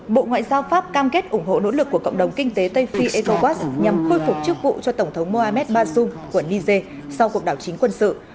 bộ ngoại giao pháp cam kết ủng hộ nỗ lực của cộng đồng kinh tế tây phi ecowas nhằm khôi phục chức vụ cho tổng thống mohamed bazoum của niger sau cuộc đảo chính quân sự